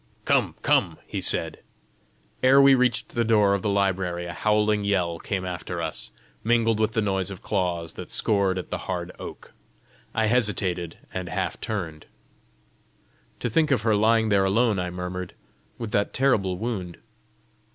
"Come; come!" he said. Ere we reached the door of the library, a howling yell came after us, mingled with the noise of claws that scored at the hard oak. I hesitated, and half turned. "To think of her lying there alone," I murmured, " with that terrible wound!"